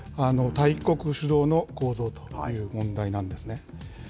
大国主導の構造という問題なんですね。